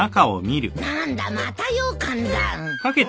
何だまたようかんだ。